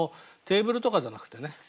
テーブルとかじゃなくてね